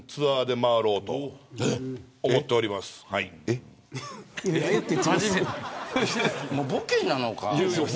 もうボケなのか。